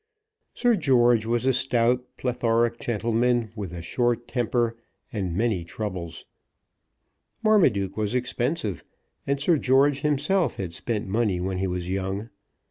Sir George was a stout, plethoric gentleman, with a short temper and many troubles. Marmaduke was expensive, and Sir George himself had spent money when he was young.